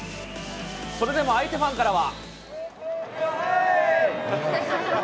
それでも相手ファンからは。